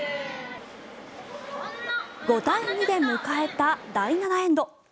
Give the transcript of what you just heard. ５対２で迎えた第７エンド。